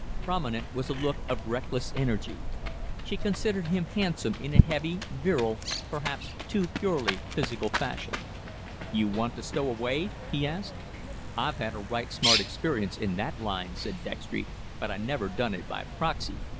Prominent was a look of reckless energy. She considered him handsome in a heavy, virile, perhaps too purely physical fashion. "You want to stowaway?" he asked. "I've had a right smart experience in that line," said Dextry, "but I never done it by proxy.